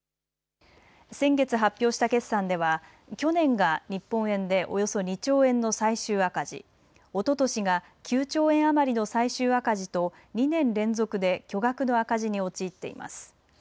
先月発表した決算では去年が日本円でおよそ２兆円の最終赤字、おととしが９兆円余りの最終赤字と２年連続で巨額の赤字に陥っています。